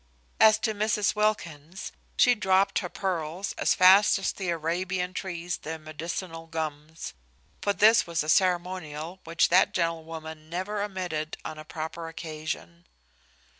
As to Mrs Wilkins, she dropt her pearls as fast as the Arabian trees their medicinal gums; for this was a ceremonial which that gentlewoman never omitted on a proper occasion.